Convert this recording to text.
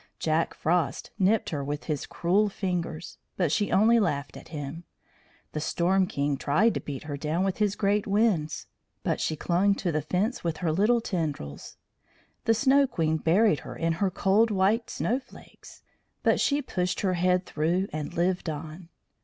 Jack Frost nipped her with his cruel fingers, but she only laughed at him; the Storm king tried to beat her down with his great winds, but she clung to the fence with her little tendrils; the Snow queen buried her in her cold white snowflakes, but she pushed her head through and lived on.